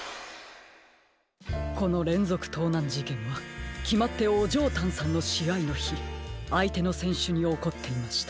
このれんぞくとうなんじけんはきまってオジョータンさんのしあいのひあいてのせんしゅにおこっていました。